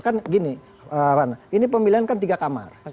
kan gini pemilihan kan tiga kamar